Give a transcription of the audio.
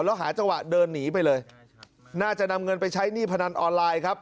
แล้วหาจังหวะเดินหนีไปเลยน่าจะนำเงินไปใช้หนี้พนันออนไลน์ครับ